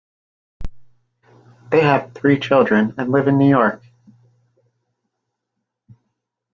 They have three children and live in New York.